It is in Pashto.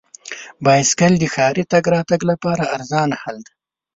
بایسکل د ښاري تګ راتګ لپاره ارزانه حل دی.